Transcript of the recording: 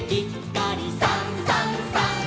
「さんさんさん」